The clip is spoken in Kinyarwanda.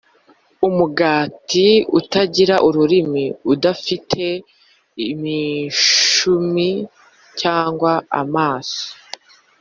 umugati utagira ururimi udafite imishumi cyangwa amaso,